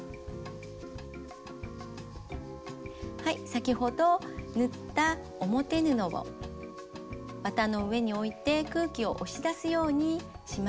先ほど縫った表布を綿の上に置いて空気を押し出すようにします。